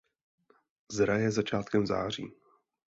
Zraje začátkem září.